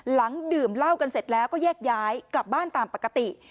ดื่มเหล้ากันเสร็จแล้วก็แยกย้ายกลับบ้านตามปกติ